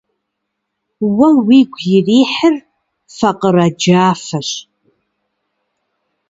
Уэ уигу ирихьыр факъырэ джафэщ.